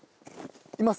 います。